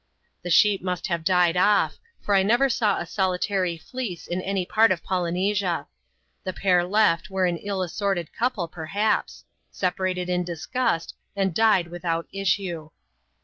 The sheep must have died off; for I never saw a solitary fleece in any part of Polynesia. The pair left were an ill as sarted couple, perhaps ; separated in disgust, and died without issue.